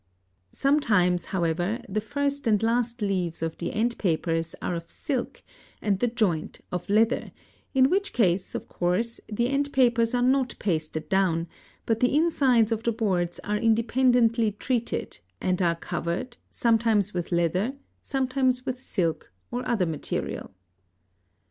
Sometimes, however, the first and last leaves of the "end papers" are of silk, and the "joint" of leather, in which case, of course, the end papers are not pasted down, but the insides of the boards are independently treated, and are covered, sometimes with leather, sometimes with silk or other material.